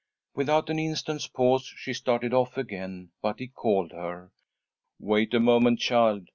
Without an instant's pause she started off again, but he called her. "Wait a moment, child.